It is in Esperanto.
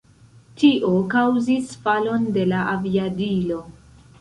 Tio kaŭzis falon de la aviadilo.